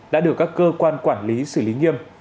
đã được các cơ quan quản lý xử lý nghiêm